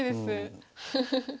フフフフ。